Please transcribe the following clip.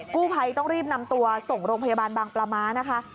กู้ภัยต้องรีบนำตัวส่งโรงพยาบาลบางปลาม้านะคะ